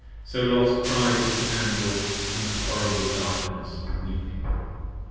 So Los cried at his Anvil in the horrible darkness weeping.